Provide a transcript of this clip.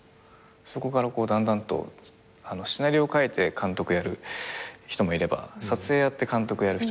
そこからこうだんだんとシナリオ書いて監督やる人もいれば撮影やって監督やる人もいるじゃないですか。